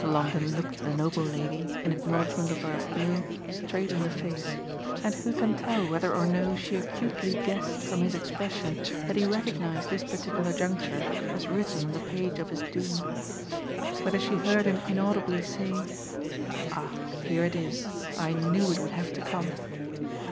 Longdon looked the noble lady, in acknowledgement of her appeal, straight in the face, and who can tell whether or no she acutely guessed from his expression that he recognised this particular juncture as written on the page of his doom? whether she heard him inaudibly say "Ah here it is: I knew it would have to come!"